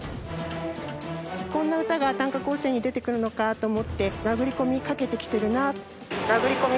こんな歌が短歌甲子園に出てくるのかと思って殴り込みかけてきてるな。